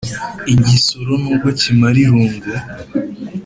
igisoro n'ubwo kimara irungu